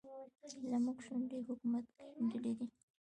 زموږ شونډې حکومت ګنډلې دي.